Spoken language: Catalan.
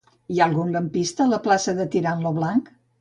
Hi ha algun lampista a la plaça de Tirant lo Blanc?